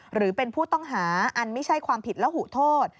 หรือเป็นผู้ต้องหาอันไม่ใช่ความผิดและหูโทษ